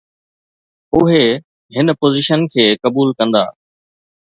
اهي هن پوزيشن کي قبول ڪندا